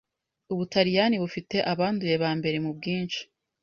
u Butaliyani bufite abanduye bambere mubwinshi.